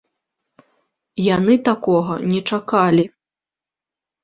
Яны такога не чакалі.